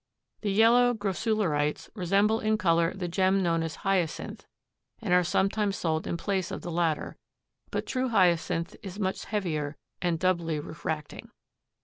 The yellow grossularites resemble in color the gem known as hyacinth and are sometimes sold in place of the latter, but true hyacinth is much heavier and doubly refracting.